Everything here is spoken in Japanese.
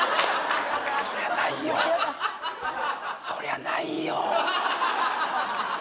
そりゃないよ。